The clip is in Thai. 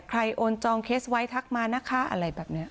โอนจองเคสไว้ทักมานะคะอะไรแบบนี้